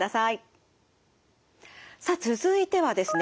さあ続いてはですね